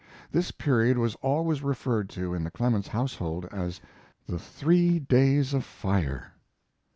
This period was always referred to in the Clemens household as the "three days of fire."